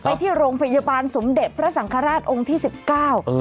ไปที่โรงพยาบาลสมเด็จพระสังฆราชองค์ที่สิบเก้า